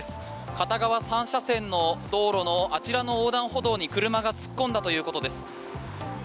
片側３車線の道路のあちらの横断歩道に車が突っ込んだということです。